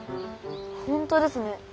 本当ですね。